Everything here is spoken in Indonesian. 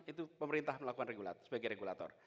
itu pemerintah melakukan sebagai regulator